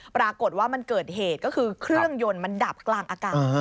ปรากฏว่ามันเกิดเหตุก็คือเครื่องยนต์มันดับกลางอากาศ